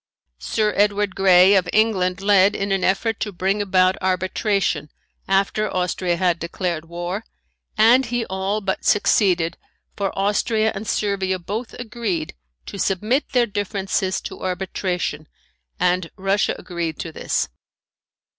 Sir Edward Grey of England led in an effort to bring about arbitration after Austria had declared war, and he all but succeeded for Austria and Servia both agreed to submit their differences to arbitration and Russia agreed to this.